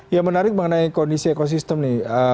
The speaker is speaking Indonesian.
yang menarik mengenai kondisi ekosistem nih